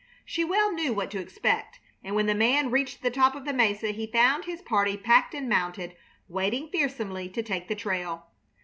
She well knew what to expect, and when the man reached the top of the mesa he found his party packed and mounted, waiting fearsomely to take the trail.